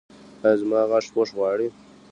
ایا زما غاښ پوښ غواړي؟